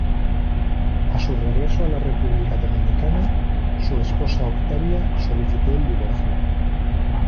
A su regreso a la República Dominicana, su esposa Octavia solicitó el divorcio.